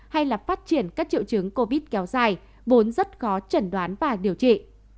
hay là phát triển các triệu chứng covid kéo dài vốn rất khó chẩn đoán và điều trị